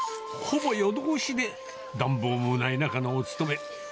ほぼ夜通しで、暖房もない中のお勤め。